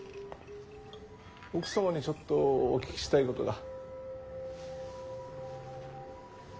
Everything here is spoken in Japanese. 奥様にちょっとお聞きしたいことが。